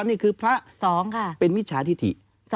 นี่คือพระเป็นมิจฉาธิธิ